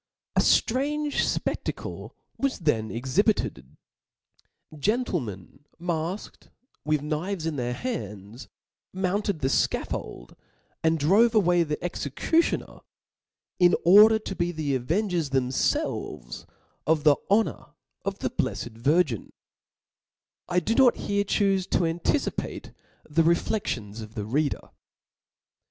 A ftrange fpeftack was , then exhibited ; gentlemen mafked,, with knives in their hands, mounted the fcafix)ld, and drove away the executioner, in order to be the avengers them felves of the honor of the blefled Virgin*' — I do not here chufe to anticipate the refleftions of the reader.